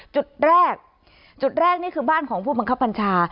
จุดแรกจุดแรกนี่คือบ้านของผู้บังคับบัญชา